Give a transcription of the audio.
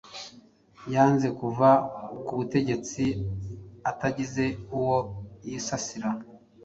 yanze kuva ku butegetsi atagize uwo yisasira